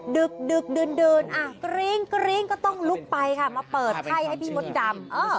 ดึกดื่นกรี๊งก็ต้องลุกไปค่ะมาเปิดไพ่ให้พี่มดดำ